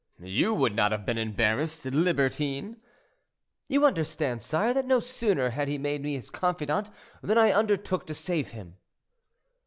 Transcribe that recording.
"You would not have been embarrassed, libertine!" "You understand, sire, that no sooner had he made me his confidant, than I undertook to save him."